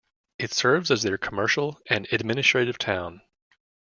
It serves as their commercial and administrative town.